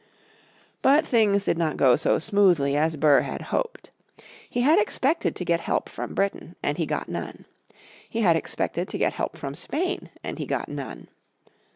But things did not go so smoothly as Burr had hoped. He had expected to get help from Britain, and he got none. He had expected help from Spain, and he got none.